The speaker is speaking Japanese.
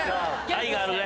愛があるね。